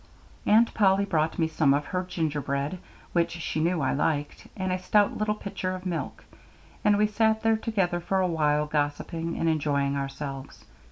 Aunt Polly brought me some of her gingerbread, which she knew I liked, and a stout little pitcher of milk, and we sat there together for a while, gossiping and enjoying ourselves.